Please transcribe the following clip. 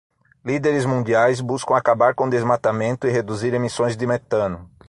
Líderes mundiais buscam acabar com desmatamento e reduzir emissões de metano